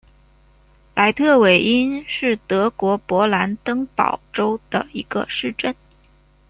赖特韦因是德国勃兰登堡州的一个市镇。